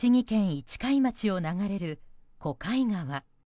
市貝町を流れる小貝川。